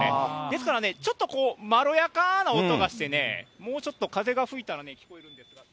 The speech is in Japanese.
ですからね、ちょっとこう、まろやかな音がしてね、もうちょっと風が吹いたらね。